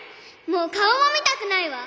もう顔も見たくないわ！